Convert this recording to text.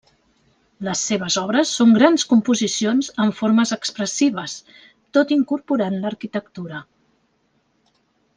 Les seves obres són grans composicions amb formes expressives, tot incorporant l'arquitectura.